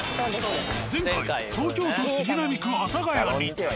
前回東京都杉並区阿佐ヶ谷にて。